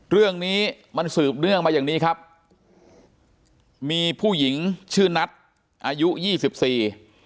เรื่องนี้มันสืบเนื่องมาอย่างนี้ครับมีผู้หญิงชื่อนัทอายุยี่สิบสี่